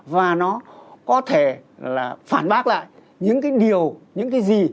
và nó có thể là phản bác lại những cái điều những cái gì